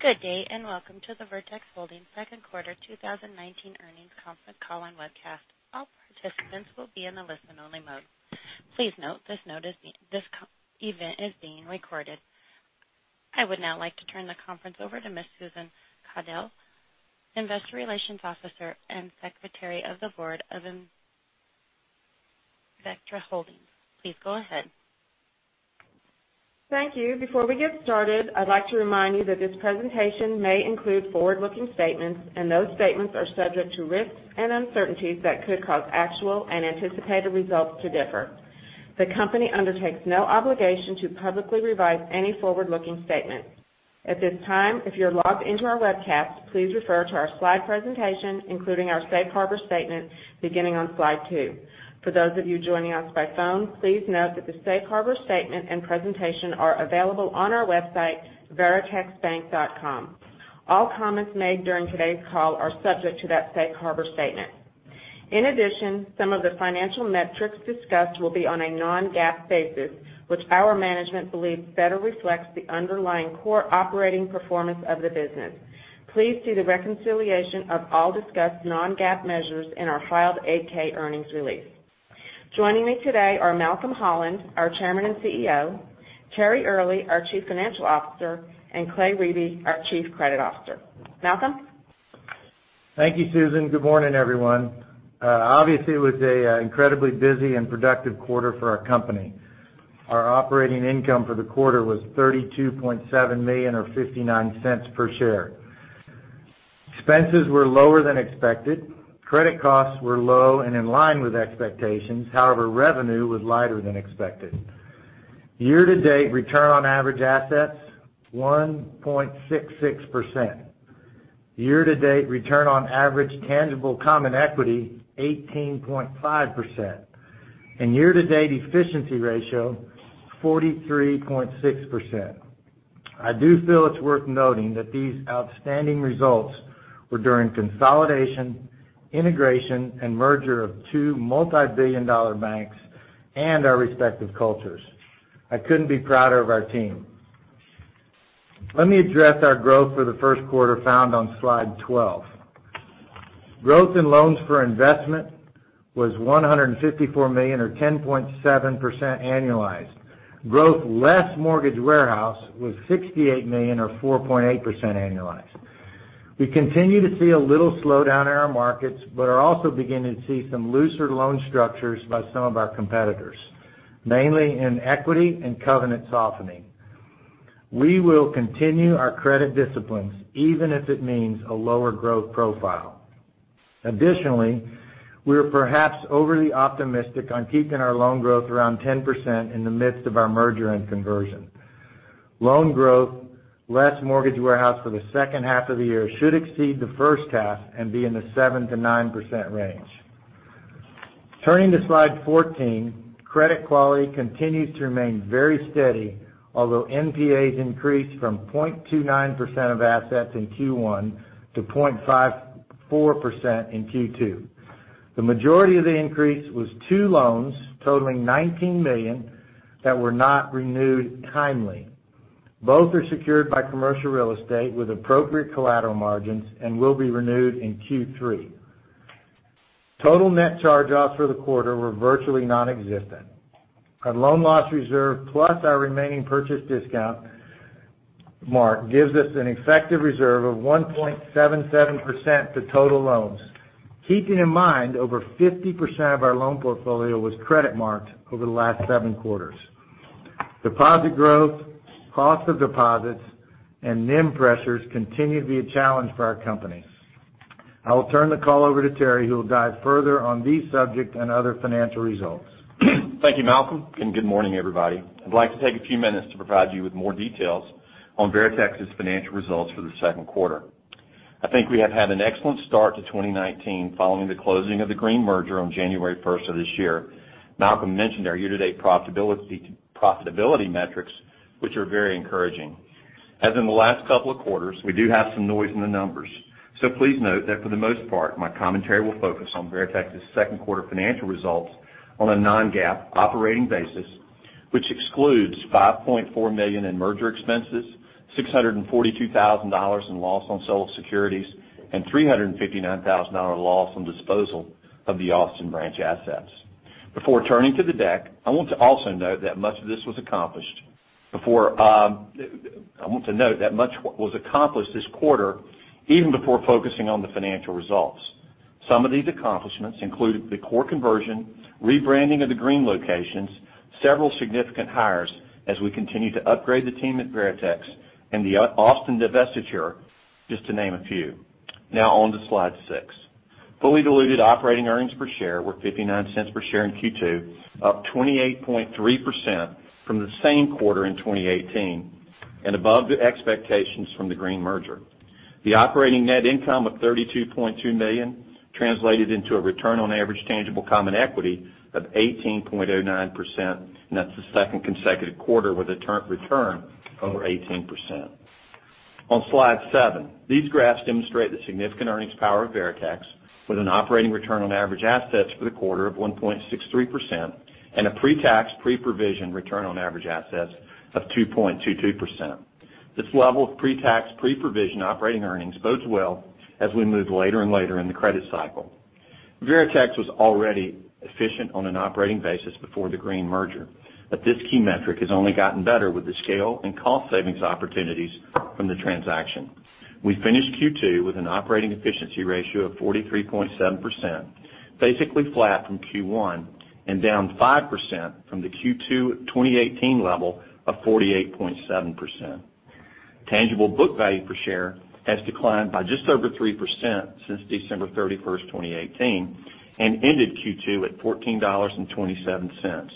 Good day, and welcome to the Veritex Holdings second quarter 2019 earnings conference call and webcast. All participants will be in the listen only mode. Please note, this event is being recorded. I would now like to turn the conference over to Ms. Susan Caudle, Investor Relations Officer and Secretary of the Board of Veritex Holdings. Please go ahead. Thank you. Before we get started, I'd like to remind you that this presentation may include forward-looking statements, and those statements are subject to risks and uncertainties that could cause actual and anticipated results to differ. The company undertakes no obligation to publicly revise any forward-looking statements. At this time, if you're logged into our webcast, please refer to our slide presentation, including our safe harbor statement, beginning on slide two. For those of you joining us by phone, please note that the safe harbor statement and presentation are available on our website, veritexbank.com. All comments made during today's call are subject to that safe harbor statement. In addition, some of the financial metrics discussed will be on a non-GAAP basis, which our management believes better reflects the underlying core operating performance of the business. Please see the reconciliation of all discussed non-GAAP measures in our filed 8-K earnings release. Joining me today are Malcolm Holland, our Chairman and CEO, Terry Earley, our Chief Financial Officer, and Clay Riebe, our Chief Credit Officer. Malcolm? Thank you, Susan. Good morning, everyone. Obviously, it was an incredibly busy and productive quarter for our company. Our operating income for the quarter was $32.7 million, or $0.59 per share. Expenses were lower than expected. Credit costs were low and in line with expectations. However, revenue was lighter than expected. Year-to-date return on average assets, 1.66%. Year-to-date return on average tangible common equity, 18.5%, and year-to-date efficiency ratio, 43.6%. I do feel it's worth noting that these outstanding results were during consolidation, integration, and merger of two multi-billion-dollar banks and our respective cultures. I couldn't be prouder of our team. Let me address our growth for the first quarter found on slide 12. Growth in loans for investment was $154 million or 10.7% annualized. Growth less Mortgage Warehouse was $68 million, or 4.8% annualized. We continue to see a little slowdown in our markets, but are also beginning to see some looser loan structures by some of our competitors, mainly in equity and covenant softening. We will continue our credit disciplines even if it means a lower growth profile. Additionally, we are perhaps overly optimistic on keeping our loan growth around 10% in the midst of our merger and conversion. Loan growth, less Mortgage Warehouse for the second half of the year should exceed the first half and be in the 7%-9% range. Turning to slide 14, credit quality continues to remain very steady, although NPAs increased from 0.29% of assets in Q1 to 0.54% in Q2. The majority of the increase was two loans totaling $19 million that were not renewed timely. Both are secured by commercial real estate with appropriate collateral margins and will be renewed in Q3. Total net charge-offs for the quarter were virtually nonexistent. Our loan loss reserve plus our remaining purchase discount mark gives us an effective reserve of 1.77% to total loans. Keeping in mind, over 50% of our loan portfolio was credit marked over the last seven quarters. Deposit growth, cost of deposits, and NIM pressures continue to be a challenge for our company. I will turn the call over to Terry, who will dive further on these subjects and other financial results. Thank you, Malcolm. Good morning, everybody. I'd like to take a few minutes to provide you with more details on Veritex's financial results for the second quarter. I think we have had an excellent start to 2019 following the closing of the Green merger on January 1st of this year. Malcolm mentioned our year-to-date profitability metrics, which are very encouraging. In the last couple of quarters, we do have some noise in the numbers. Please note that for the most part, my commentary will focus on Veritex's second quarter financial results on a non-GAAP operating basis, which excludes $5.4 million in merger expenses, $642,000 in loss on sale of securities, and $359,000 loss on disposal of the Austin branch assets. Before turning to the deck, I want to note that much was accomplished this quarter, even before focusing on the financial results. Some of these accomplishments include the core conversion, rebranding of the Green locations, several significant hires as we continue to upgrade the team at Veritex, and the Austin divestiture, just to name a few. On to slide seven. Fully diluted operating earnings per share were $0.59 per share in Q2, up 28.3% from the same quarter in 2018 and above the expectations from the Green merger. The operating net income of $32.2 million translated into a return on average tangible common equity of 18.09%, and that's the second consecutive quarter with a return over 18%. On slide seven, these graphs demonstrate the significant earnings power of Veritex, with an operating return on average assets for the quarter of 1.63%, and a pre-tax, pre-provision return on average assets of 2.22%. This level of pre-tax, pre-provision operating earnings bodes well as we move later and later in the credit cycle. Veritex was already efficient on an operating basis before the Green merger, but this key metric has only gotten better with the scale and cost savings opportunities from the transaction. We finished Q2 with an operating efficiency ratio of 43.7%, basically flat from Q1, and down 5% from the Q2 2018 level of 48.7%. Tangible book value per share has declined by just over 3% since December 31, 2018, and ended Q2 at $14.27.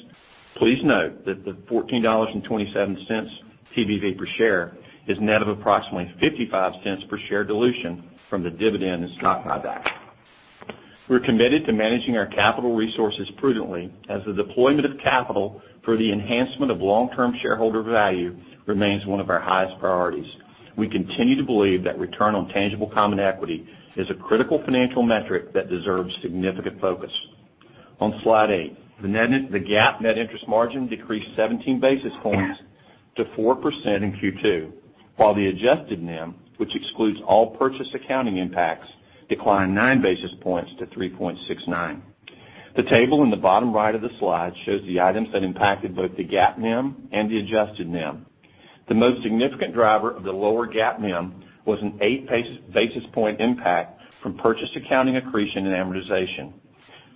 Please note that the $14.27 TBV per share is net of approximately $0.55 per share dilution from the dividend and stock buyback. We are committed to managing our capital resources prudently, as the deployment of capital for the enhancement of long-term shareholder value remains one of our highest priorities. We continue to believe that return on tangible common equity is a critical financial metric that deserves significant focus. On slide eight, the GAAP net interest margin decreased 17 basis points to 4% in Q2, while the adjusted NIM, which excludes all purchase accounting impacts, declined nine basis points to 3.69. The table in the bottom right of the slide shows the items that impacted both the GAAP NIM and the adjusted NIM. The most significant driver of the lower GAAP NIM was an eight basis point impact from purchase accounting accretion and amortization.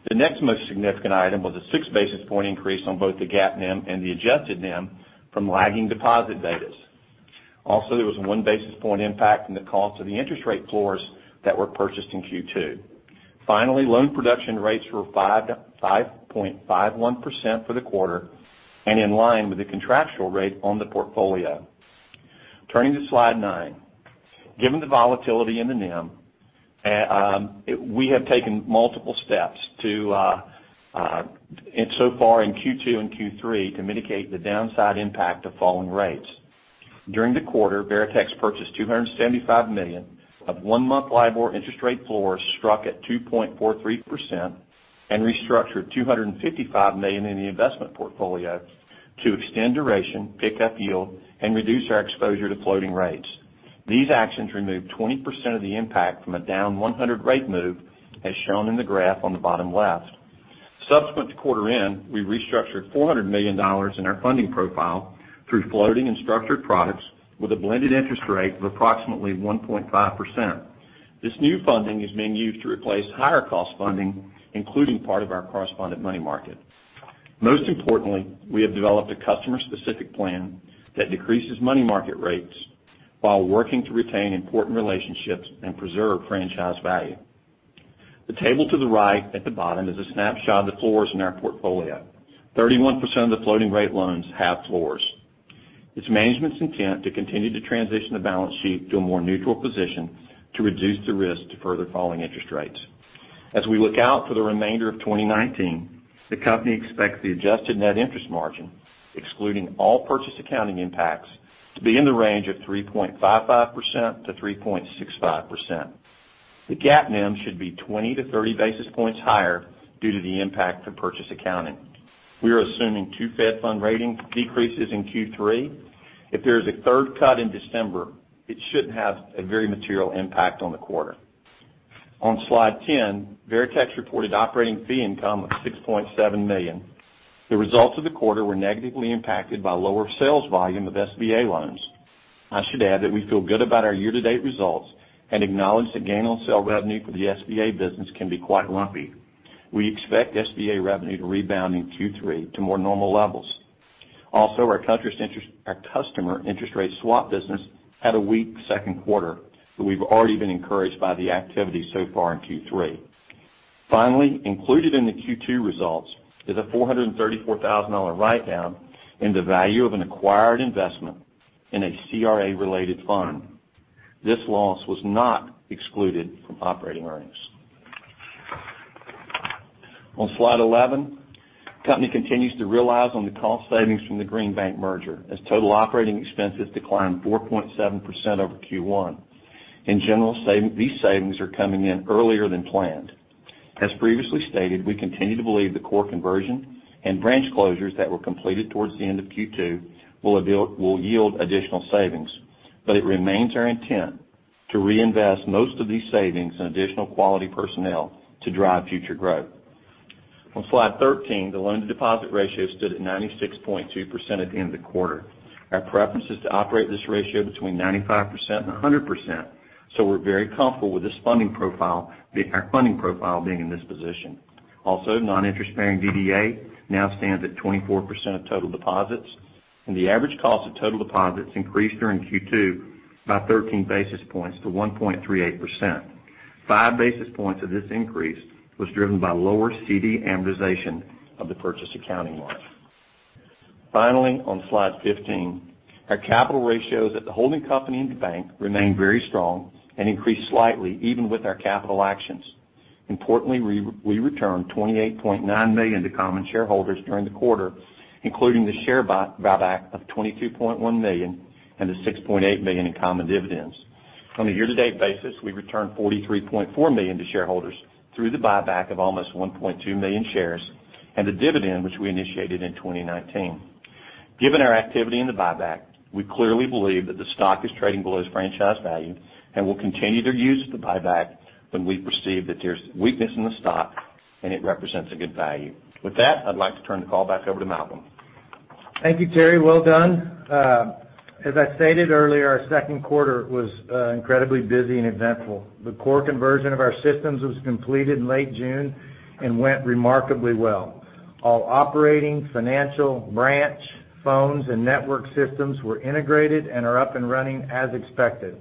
The next most significant item was a six basis point increase on both the GAAP NIM and the adjusted NIM from lagging deposit betas. There was a one basis point impact from the cost of the interest rate floors that were purchased in Q2. Loan production rates were 5.51% for the quarter and in line with the contractual rate on the portfolio. Turning to slide nine. Given the volatility in the NIM, we have taken multiple steps, so far in Q2 and Q3, to mitigate the downside impact of falling rates. During the quarter, Veritex purchased $275 million of one-month LIBOR interest rate floors struck at 2.43% and restructured $255 million in the investment portfolio to extend duration, pick up yield, and reduce our exposure to floating rates. These actions removed 20% of the impact from a down 100 rate move, as shown in the graph on the bottom left. Subsequent to quarter end, we restructured $400 million in our funding profile through floating and structured products with a blended interest rate of approximately 1.5%. This new funding is being used to replace higher cost funding, including part of our correspondent money market. Most importantly, we have developed a customer-specific plan that decreases money market rates while working to retain important relationships and preserve franchise value. The table to the right, at the bottom, is a snapshot of the floors in our portfolio. 31% of the floating rate loans have floors. It's management's intent to continue to transition the balance sheet to a more neutral position to reduce the risk to further falling interest rates. As we look out for the remainder of 2019, the company expects the adjusted net interest margin, excluding all purchase accounting impacts, to be in the range of 3.55%-3.65%. The GAAP NIM should be 20 basis points-30 basis points higher due to the impact of purchase accounting. We are assuming two Fed fund rating decreases in Q3. If there is a third cut in December, it shouldn't have a very material impact on the quarter. On slide 10, Veritex reported operating fee income of $6.7 million. The results of the quarter were negatively impacted by lower sales volume of SBA loans. I should add that we feel good about our year-to-date results and acknowledge the gain on sale revenue for the SBA business can be quite lumpy. We expect SBA revenue to rebound in Q3 to more normal levels. Our customer interest rate swap business had a weak second quarter, but we've already been encouraged by the activity so far in Q3. Included in the Q2 results is a $434,000 write-down in the value of an acquired investment in a CRA-related fund. This loss was not excluded from operating earnings. On slide 11, the company continues to realize on the cost savings from the Green Bancorp merger, as total operating expenses declined 4.7% over Q1. In general, these savings are coming in earlier than planned. As previously stated, we continue to believe the core conversion and branch closures that were completed towards the end of Q2 will yield additional savings, but it remains our intent to reinvest most of these savings in additional quality personnel to drive future growth. On slide 13, the loan-to-deposit ratio stood at 96.2% at the end of the quarter. Our preference is to operate this ratio between 95% and 100%, so we're very comfortable with our funding profile being in this position. Also, non-interest-bearing DDA now stands at 24% of total deposits, and the average cost of total deposits increased during Q2 by 13 basis points to 1.38%. Five basis points of this increase was driven by lower CD amortization of the purchase accounting loans. Finally, on slide 15, our capital ratios at the holding company and the bank remain very strong and increased slightly even with our capital actions. Importantly, we returned $28.9 million to common shareholders during the quarter, including the share buyback of $22.1 million and the $6.8 million in common dividends. On a year-to-date basis, we returned $43.4 million to shareholders through the buyback of almost 1.2 million shares and the dividend, which we initiated in 2019. Given our activity in the buyback, we clearly believe that the stock is trading below its franchise value, and we'll continue to use the buyback when we perceive that there's weakness in the stock and it represents a good value. With that, I'd like to turn the call back over to Malcolm Holland. Thank you, Terry. Well done. As I stated earlier, our second quarter was incredibly busy and eventful. The core conversion of our systems was completed in late June and went remarkably well. All operating, financial, branch, phones, and network systems were integrated and are up and running as expected.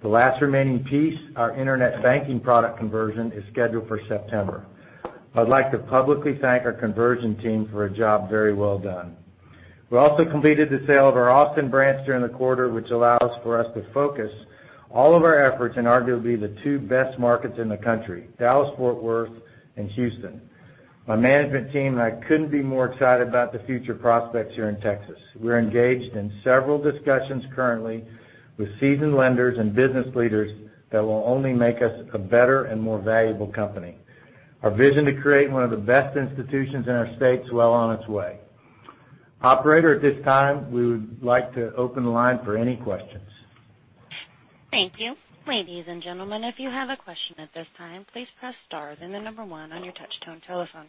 The last remaining piece, our internet banking product conversion, is scheduled for September. I'd like to publicly thank our conversion team for a job very well done. We also completed the sale of our Austin branch during the quarter, which allows for us to focus all of our efforts in arguably the two best markets in the country, Dallas-Fort Worth and Houston. My management team and I couldn't be more excited about the future prospects here in Texas. We're engaged in several discussions currently with seasoned lenders and business leaders that will only make us a better and more valuable company. Our vision to create one of the best institutions in our state's well on its way. Operator, at this time, we would like to open the line for any questions. Thank you. Ladies and gentlemen, if you have a question at this time, please press star then the number 1 on your touch-tone telephone.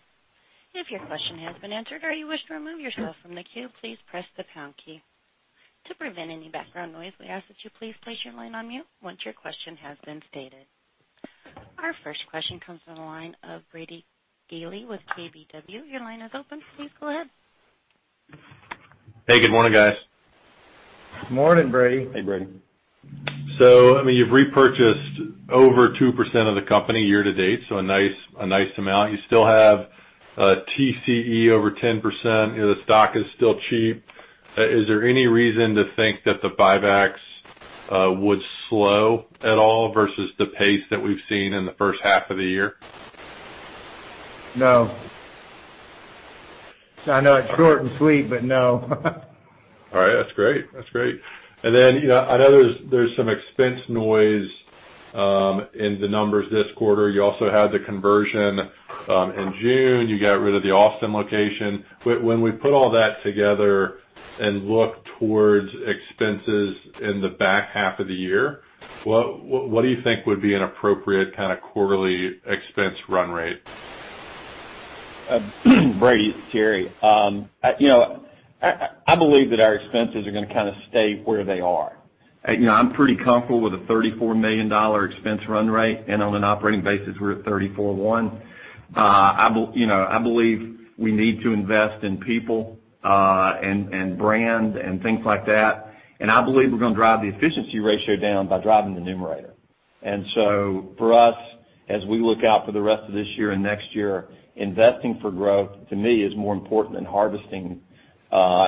If your question has been answered or you wish to remove yourself from the queue, please press the pound key. To prevent any background noise, we ask that you please place your line on mute once your question has been stated. Our first question comes from the line of Brady Gailey with KBW. Your line is open. Please go ahead. Hey, good morning, guys. Good morning, Brady. Hey, Brady. You've repurchased over 2% of the company year to date, so a nice amount. You still have TCE over 10%. The stock is still cheap. Is there any reason to think that the buybacks would slow at all versus the pace that we've seen in the first half of the year? No. I know it's short and sweet, but no. All right, that's great. I know there's some expense noise in the numbers this quarter. You also had the conversion in June. You got rid of the Austin location. When we put all that together and look towards expenses in the back half of the year, what do you think would be an appropriate kind of quarterly expense run rate? Brady, it's Terry. I believe that our expenses are going to kind of stay where they are. I'm pretty comfortable with a $34 million expense run rate, and on an operating basis, we're at $34.1. I believe we need to invest in people and brand and things like that. I believe we're going to drive the efficiency ratio down by driving the numerator. For us, as we look out for the rest of this year and next year, investing for growth, to me, is more important than harvesting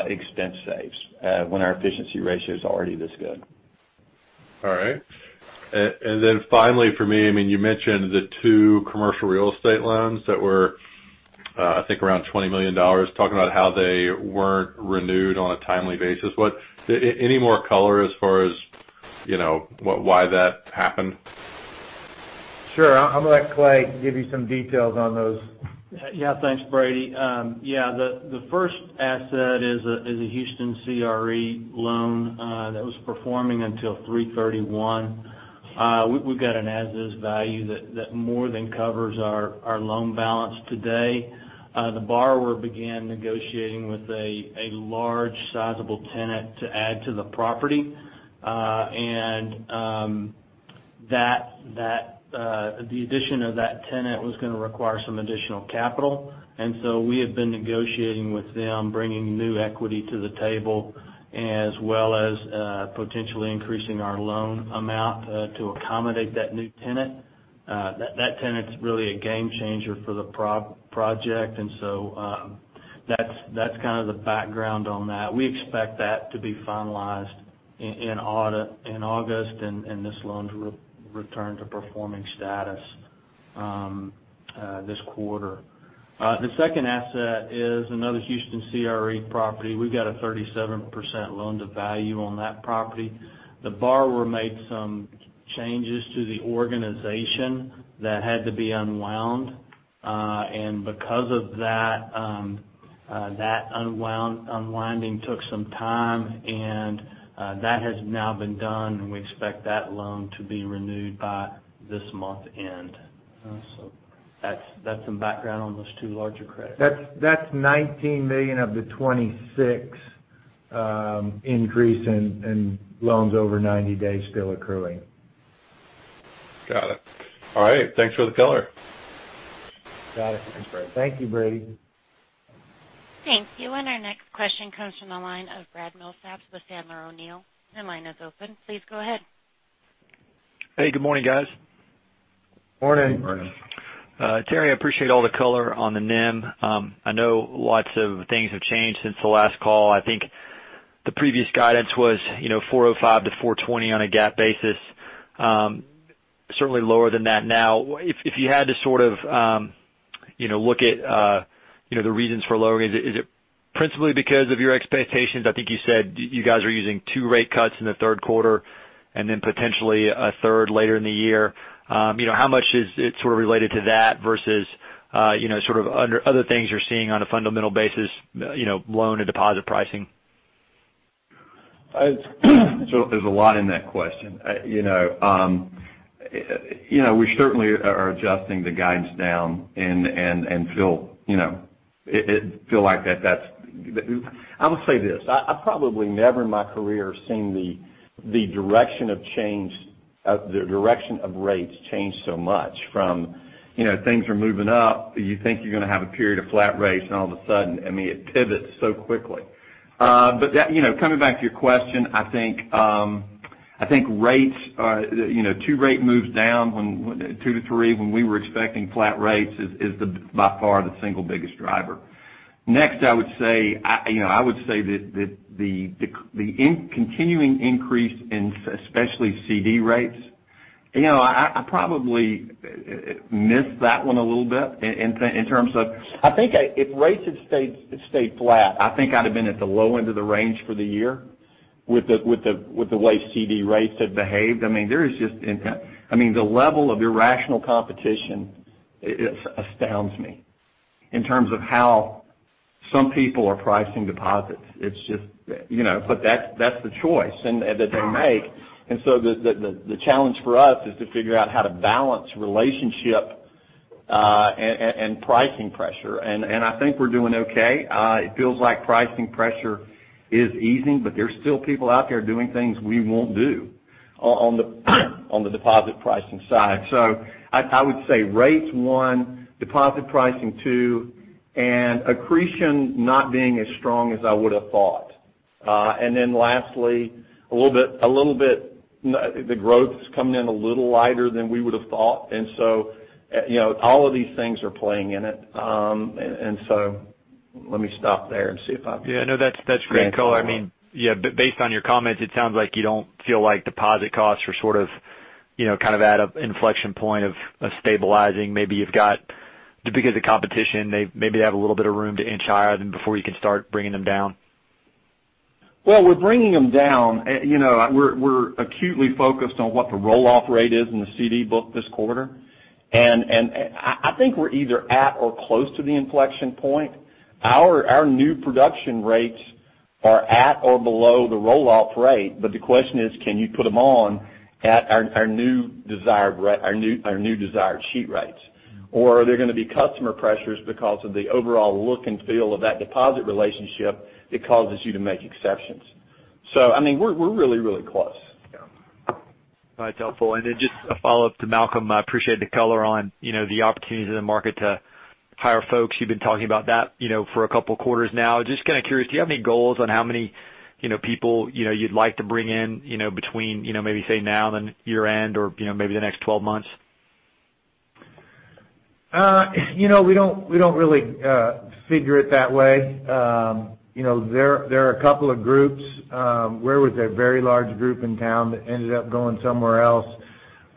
expense saves when our efficiency ratio is already this good. All right. Finally for me, you mentioned the two commercial real estate loans that were, I think, around $20 million, talking about how they weren't renewed on a timely basis. Any more color as far as why that happened? Sure. I'm going to let Clay give you some details on those. Yeah. Thanks, Brady Gailey. Yeah, the first asset is a Houston CRE loan that was performing until 3/31. We've got an as-is value that more than covers our loan balance today. The borrower began negotiating with a large sizable tenant to add to the property. The addition of that tenant was going to require some additional capital. We have been negotiating with them, bringing new equity to the table, as well as potentially increasing our loan amount to accommodate that new tenant. That tenant's really a game changer for the project. That's kind of the background on that. We expect that to be finalized in August, and this loan to return to performing status this quarter. The second asset is another Houston CRE property. We've got a 37% loan to value on that property. The borrower made some changes to the organization that had to be unwound. Because of that unwinding took some time, and that has now been done, and we expect that loan to be renewed by this month end. That's some background on those two larger credits. That's $19 million of the $26 increase in loans over 90 days still accruing. Got it. All right. Thanks for the color. Got it. Thanks, Brady. Thank you, Brady. Thank you. Our next question comes from the line of Brad Milsaps with Sandler O'Neill. Your line is open. Please go ahead. Hey, good morning, guys. Morning. Morning. Terry, I appreciate all the color on the NIM. I know lots of things have changed since the last call. I think the previous guidance was 405 to 420 on a GAAP basis. Certainly lower than that now. If you had to sort of look at the reasons for lowering, is it principally because of your expectations? I think you said you guys are using two rate cuts in the third quarter. Potentially a third later in the year. How much is it sort of related to that versus, sort of other things you're seeing on a fundamental basis, loan and deposit pricing? There's a lot in that question. We certainly are adjusting the guidance down and feel like that that's. I will say this: I probably never in my career seen the direction of rates change so much from things are moving up. You think you're going to have a period of flat rates and all of a sudden, I mean, it pivots so quickly. Coming back to your question, I think 2 rate moves down, 2 to 3, when we were expecting flat rates is by far the single biggest driver. Next, I would say that the continuing increase in, especially CD rates, I probably missed that one a little bit in terms of, I think if rates had stayed flat, I think I'd have been at the low end of the range for the year with the way CD rates have behaved. I mean, the level of irrational competition astounds me in terms of how some people are pricing deposits. That's the choice that they make. The challenge for us is to figure out how to balance relationship and pricing pressure. I think we're doing okay. It feels like pricing pressure is easing, but there's still people out there doing things we won't do on the deposit pricing side. I would say rate's one, deposit pricing two, and accretion not being as strong as I would've thought. Lastly, the growth's coming in a little lighter than we would've thought. All of these things are playing in it. Let me stop there. Yeah, no, that's great color. I mean, based on your comments, it sounds like you don't feel like deposit costs are sort of, kind of at an inflection point of stabilizing. Maybe you've got, just because of competition, maybe they have a little bit of room to inch higher than before you can start bringing them down. We're bringing them down. We're acutely focused on what the roll-off rate is in the CD book this quarter, and I think we're either at or close to the inflection point. Our new production rates are at or below the roll-off rate. The question is, can you put them on at our new desired sheet rates? Are there going to be customer pressures because of the overall look and feel of that deposit relationship that causes you to make exceptions? I mean, we're really, really close. Yeah. That's helpful. Just a follow-up to Malcolm, I appreciate the color on the opportunities in the market to hire folks. You've been talking about that for a couple of quarters now. Just kind of curious, do you have any goals on how many people you'd like to bring in, between maybe say now and then year-end or maybe the next 12 months? We don't really figure it that way. There are a couple of groups. We're with a very large group in town that ended up going somewhere else.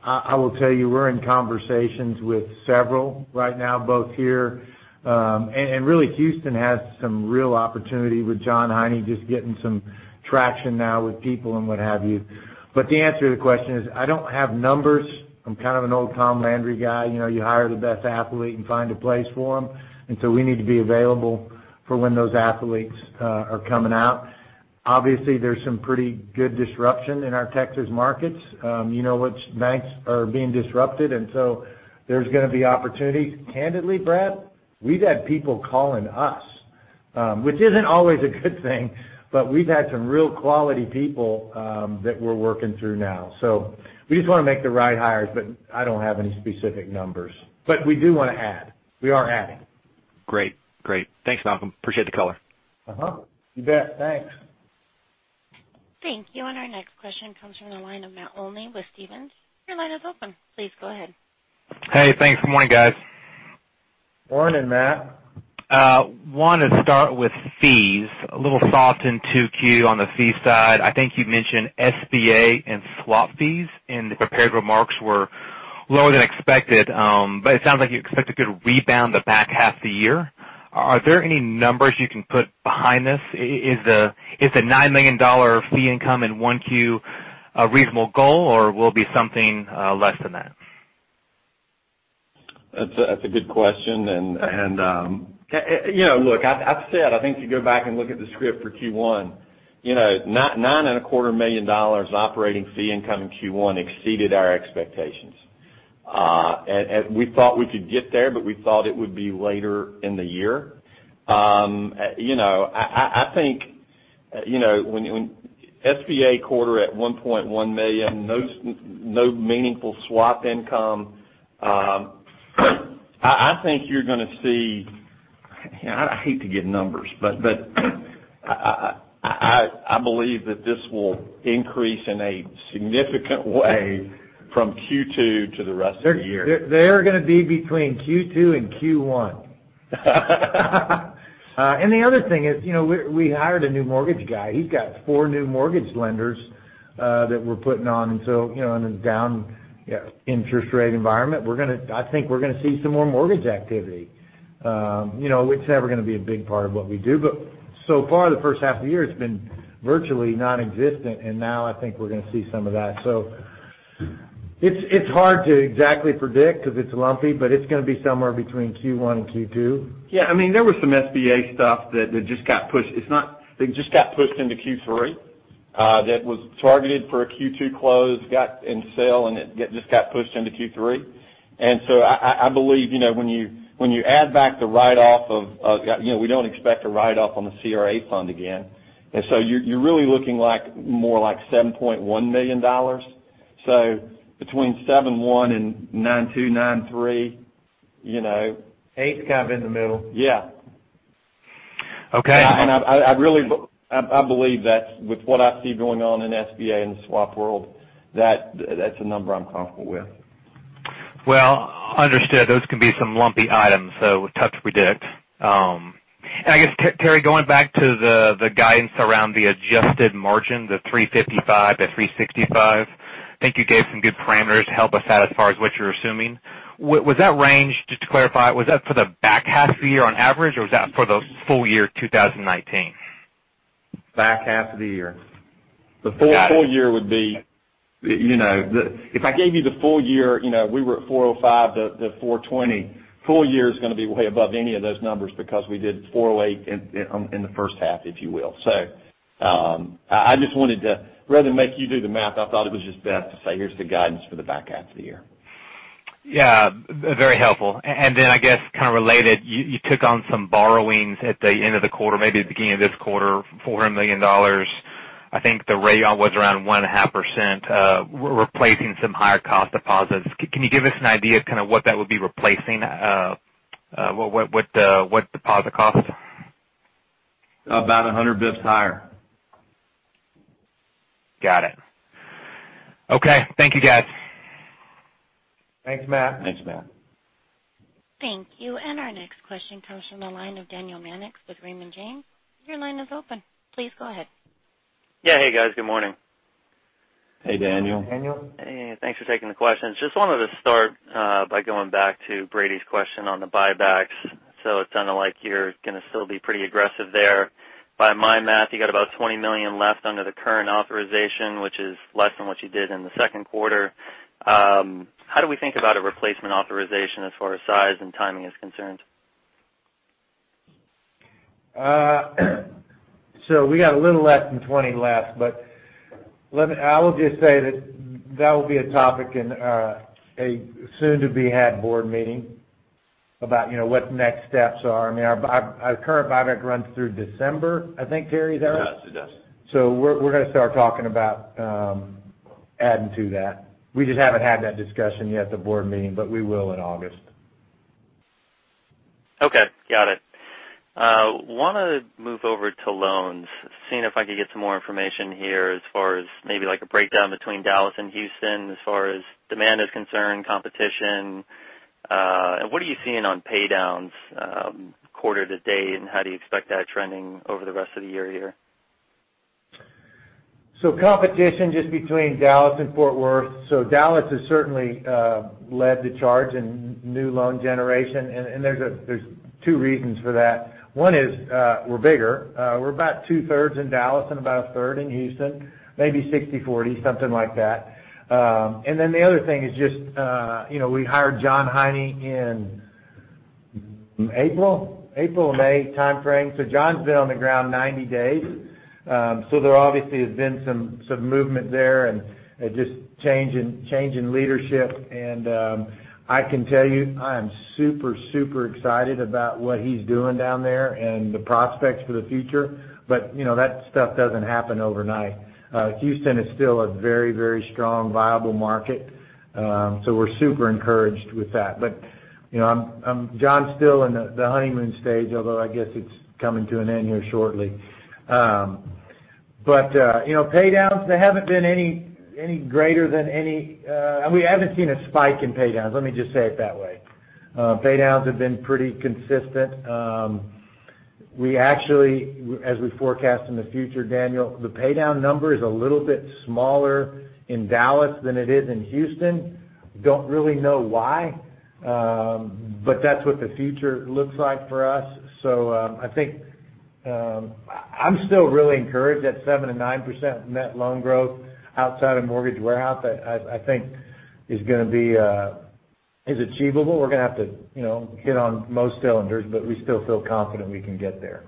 I will tell you, we're in conversations with several right now, both here, and really Houston has some real opportunity with Jon Heine just getting some traction now with people and what have you. The answer to the question is, I don't have numbers. I'm kind of an old Tom Landry guy. You hire the best athlete and find a place for them. We need to be available for when those athletes are coming out. Obviously, there's some pretty good disruption in our Texas markets, which banks are being disrupted, there's going to be opportunities. Candidly, Brad, we've had people calling us. Which isn't always a good thing, but we've had some real quality people that we're working through now. We just want to make the right hires, but I don't have any specific numbers. We do want to add. We are adding. Great. Thanks, Malcolm. Appreciate the color. You bet. Thanks. Thank you. Our next question comes from the line of Matt Olney with Stephens. Your line is open. Please go ahead. Hey, thanks. Good morning, guys. Morning, Matt. Wanted to start with fees. A little soft in 2Q on the fee side. I think you mentioned SBA and swap fees in the prepared remarks were lower than expected. It sounds like you expect a good rebound the back half of the year. Are there any numbers you can put behind this? Is the $9 million fee income in 1Q a reasonable goal, or will it be something less than that? That's a good question. Look, I've said, I think if you go back and look at the script for Q1, $9.25 million operating fee income in Q1 exceeded our expectations. We thought we could get there. We thought it would be later in the year. I think, SBA quarter at $1.1 million, no meaningful swap income. I think you're going to see, I hate to give numbers. I believe that this will increase in a significant way from Q2 to the rest of the year. They're going to be between Q2 and Q1. The other thing is we hired a new mortgage guy. He's got four new mortgage lenders, that we're putting on. In a down interest rate environment, I think we're going to see some more mortgage activity. It's never going to be a big part of what we do, but so far, the first half of the year, it's been virtually non-existent, and now I think we're going to see some of that. It's hard to exactly predict because it's lumpy, but it's going to be somewhere between Q1 and Q2. Yeah, there was some SBA stuff that just got pushed. It just got pushed into Q3 that was targeted for a Q2 close, got in sale, and it just got pushed into Q3. I believe, when you add back the write-off of. We don't expect a write-off on the CRA fund again. You're really looking more like $7.1 million. Between $7.1 million and $9.2 million, $9.3 million. Eight's kind of in the middle. Yeah. Okay. I believe that with what I see going on in SBA and the swap world, that's a number I'm comfortable with. Well, understood. Those can be some lumpy items, tough to predict. I guess, Terry, going back to the guidance around the adjusted margin, the 355 to 365, I think you gave some good parameters to help us out as far as what you're assuming. Was that range, just to clarify, was that for the back half of the year on average, or was that for the full year 2019? Back half of the year. If I gave you the full year, we were at 405 to 420. Full year is going to be way above any of those numbers because we did 408 in the first half, if you will. I just wanted to rather than make you do the math, I thought it was just best to say, "Here's the guidance for the back half of the year. Yeah, very helpful. Then, I guess kind of related, you took on some borrowings at the end of the quarter, maybe at the beginning of this quarter, $400 million. I think the rate on was around one and a half %, replacing some higher cost deposits. Can you give us an idea of what that would be replacing? What deposit cost? About 100 basis points higher. Got it. Okay. Thank you, guys. Thanks, Matt. Thanks, Matt. Thank you. Our next question comes from the line of Daniel Mannix with Raymond James. Your line is open. Please go ahead. Yeah. Hey, guys. Good morning. Hey, Daniel. Daniel. Hey, thanks for taking the questions. Just wanted to start by going back to Brady's question on the buybacks. It sounded like you're going to still be pretty aggressive there. By my math, you got about $20 million left under the current authorization, which is less than what you did in the second quarter. How do we think about a replacement authorization as far as size and timing is concerned? We got a little less than $20 left, but I will just say that will be a topic in a soon to be had board meeting about what the next steps are. Our current buyback runs through December, I think, Terry, is that right? It does. It does. We're going to start talking about adding to that. We just haven't had that discussion yet at the board meeting, but we will in August. Okay. Got it. I want to move over to loans, seeing if I could get some more information here as far as maybe like a breakdown between Dallas and Houston as far as demand is concerned, competition. How do you expect that trending over the rest of the year here? Competition just between Dallas and Fort Worth. Dallas has certainly led the charge in new loan generation, and there's two reasons for that. One is, we're bigger. We're about two-thirds in Dallas and about a third in Houston, maybe 60/40, something like that. The other thing is just, we hired Jon Heine in April and May timeframe. Jon's been on the ground 90 days. There obviously has been some movement there and just change in leadership. I can tell you, I am super excited about what he's doing down there and the prospects for the future. That stuff doesn't happen overnight. Houston is still a very, very strong, viable market. We're super encouraged with that. Jon's still in the honeymoon stage, although I guess it's coming to an end here shortly. Paydowns, We haven't seen a spike in paydowns, let me just say it that way. Paydowns have been pretty consistent. We actually, as we forecast in the future, Daniel, the paydown number is a little bit smaller in Dallas than it is in Houston. Don't really know why, that's what the future looks like for us. I think, I'm still really encouraged that 7%-9% net loan growth outside of mortgage warehouse, I think is going to be achievable. We're going to have to hit on most cylinders, we still feel confident we can get there.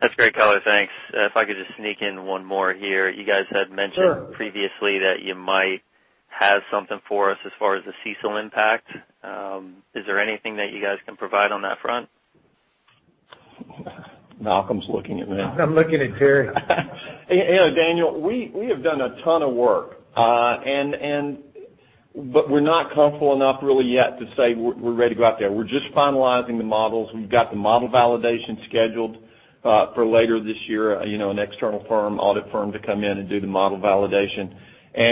That's great, guys. Thanks. If I could just sneak in one more here. Sure previously that you might have something for us as far as the CECL impact. Is there anything that you guys can provide on that front? Malcolm's looking at me. I'm looking at Terry. Daniel, we have done a ton of work. We're not comfortable enough really yet to say we're ready to go out there. We're just finalizing the models. We've got the model validation scheduled for later this year, an external firm, audit firm to come in and do the model validation.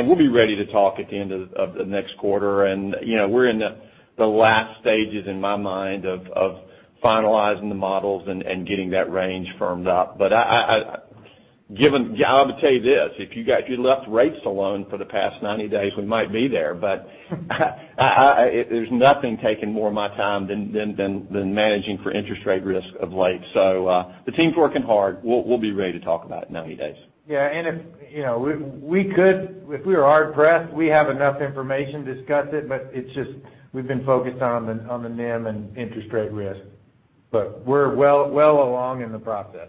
We'll be ready to talk at the end of the next quarter. We're in the last stages, in my mind, of finalizing the models and getting that range firmed up. I'll tell you this, if you left rates alone for the past 90 days, we might be there. There's nothing taking more of my time than managing for interest rate risk of late. The team's working hard. We'll be ready to talk about it in 90 days. Yeah. If we could, if we were hard pressed, we have enough information to discuss it, but it's just we've been focused on the NIM and interest rate risk. We're well along in the process.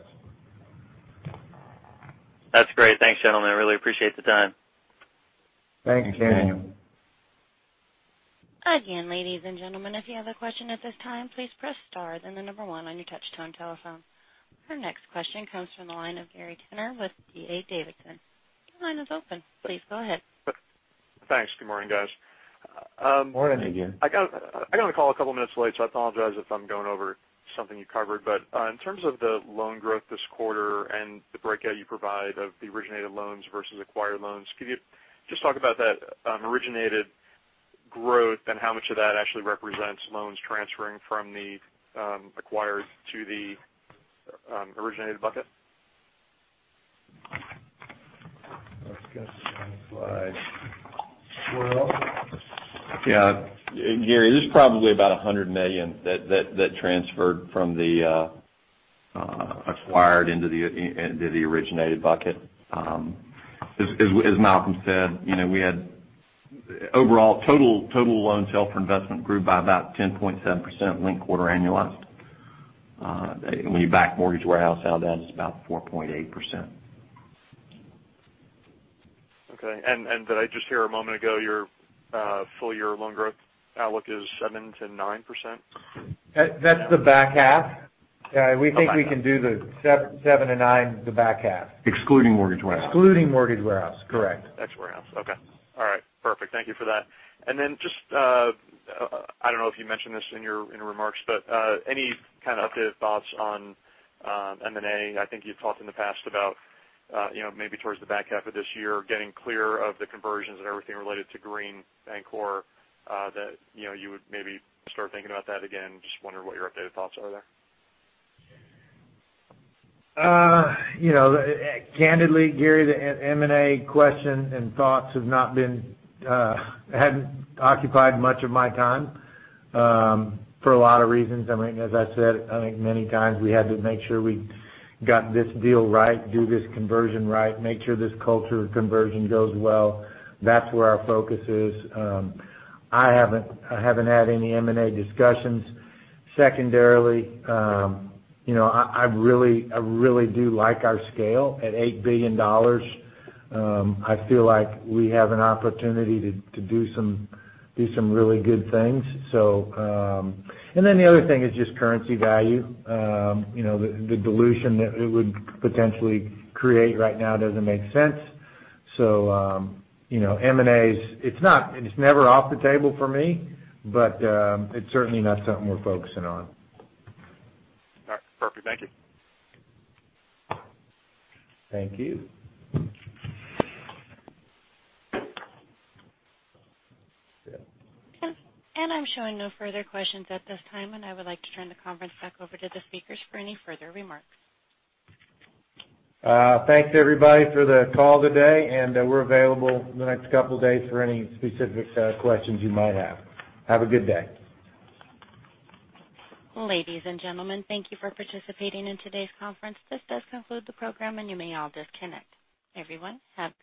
That's great. Thanks, gentlemen. I really appreciate the time. Thank you. Thanks. Again, ladies and gentlemen, if you have a question at this time, please press star, then the number one on your touchtone telephone. Our next question comes from the line of Gary Tenner with D.A. Davidson. Your line is open. Please go ahead. Thanks. Good morning, guys. Morning, again. I got on the call a couple of minutes late, so I apologize if I'm going over something you covered. In terms of the loan growth this quarter and the breakout you provide of the originated loans versus acquired loans, could you just talk about that originated growth and how much of that actually represents loans transferring from the acquired to the originated bucket? Let's go to some slides. Swirl? Yeah. Gary, there's probably about $100 million that transferred from the acquired into the originated bucket. As Malcolm said, overall total loans held for investment grew by about 10.7% linked quarter annualized. When you back Mortgage Warehouse out of that, it's about 4.8%. Okay. Did I just hear a moment ago, your full year loan growth outlook is 7%-9%? That's the back half. Okay. We think we can do the seven to nine, the back half. Excluding Mortgage Warehouse. Excluding Mortgage Warehouse, correct. Ex-Warehouse. Okay. All right, perfect. Thank you for that. Then just, I don't know if you mentioned this in your remarks, but any kind of updated thoughts on M&A? I think you've talked in the past about maybe towards the back half of this year, getting clear of the conversions and everything related to Green Bancorp, that you would maybe start thinking about that again. Just wondering what your updated thoughts are there. Candidly, Gary, the M&A question and thoughts hadn't occupied much of my time for a lot of reasons. I mean, as I said, I think many times we had to make sure we got this deal right, do this conversion right, make sure this culture conversion goes well. That's where our focus is. I haven't had any M&A discussions. Secondarily, I really do like our scale. At $8 billion, I feel like we have an opportunity to do some really good things. The other thing is just currency value. The dilution that it would potentially create right now doesn't make sense. M&A, it's never off the table for me, but it's certainly not something we're focusing on. All right, perfect. Thank you. Thank you. I'm showing no further questions at this time, and I would like to turn the conference back over to the speakers for any further remarks. Thanks everybody for the call today, and we're available the next couple days for any specific questions you might have. Have a good day. Ladies and gentlemen, thank you for participating in today's conference. This does conclude the program, and you may all disconnect.